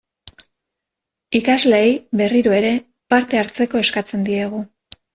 Ikasleei, berriro ere, parte hartzeko eskatzen diegu.